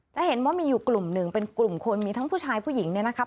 จะเห็นว่ามีอยู่กลุ่มหนึ่งเป็นกลุ่มคนมีทั้งผู้ชายผู้หญิงเนี่ยนะคะ